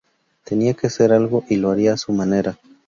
Tenía que hacer algo, y lo haría a su manera.